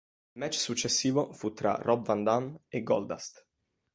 Il match successivo fu tra Rob Van Dam e Goldust.